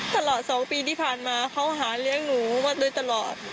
ตลอด๒ปีที่ผ่านมาเขาหาเลี้ยงหนูมาโดยตลอด